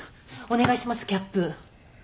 お願いしますキャップ。